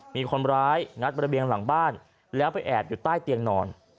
มีคนร้ายงัดระเบียงหลังบ้านแล้วไปแอบอยู่ใต้เตียงนอน